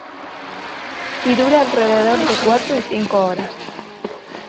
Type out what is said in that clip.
Y dura alrededor de cuatro y cinco horas.